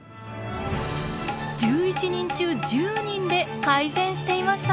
１１人中１０人で改善していました！